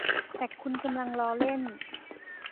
แต่คุณกำลังล้อเล่น